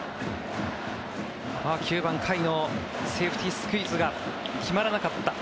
９番、甲斐のセーフティースクイズが決まらなかった。